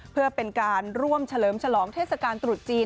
เพื่อเป็นการร่วมเฉลิมฉลองเทศกาลตรุษจีน